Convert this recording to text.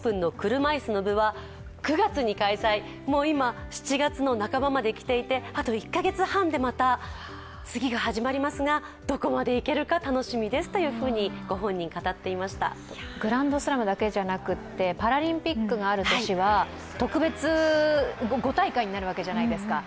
今、７月の半ばまできていて、あと１か月半でまた次が始まりますが、どこまで行けるか楽しみですとグランドスラムだけでなくパラリンピックがある年は、５大会になるわけじゃないですか。